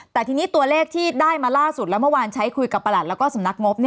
แต่ทีนี้ตัวเลขที่ได้มาล่าสุดแล้วเมื่อวานใช้คุยกับประหลัดแล้วก็สำนักงบ